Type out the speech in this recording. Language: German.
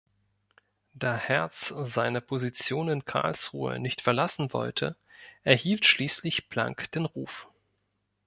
Da Hertz seine Position in Karlsruhe nicht verlassen wollte, erhielt schließlich Planck den Ruf.